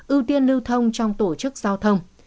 ưu tiên lưu thông trong tổ chức giao thông